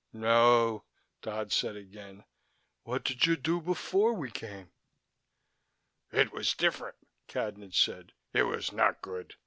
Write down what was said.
"No," Dodd said again. "What did you do before we came?" "It was different," Cadnan said. "It was not good.